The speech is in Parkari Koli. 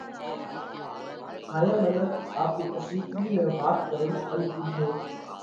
هائِيئہ منک آپرِي اشِيترِي نئہ وات ڪرئِي ان ڪِيڌو: